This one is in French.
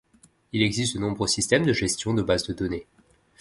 Il existe de nombreux systèmes de gestion de base de données.